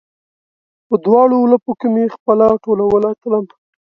په دواړ ولپو کې مې خپله ټولوله تلمه